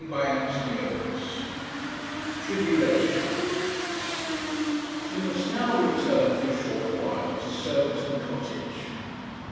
CHAPTER XXXVII TRIBULATION We must now return for a short while to Surbiton Cottage.